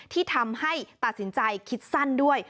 ที่ทำให้ตัดสินใจคิดสั้นด้วย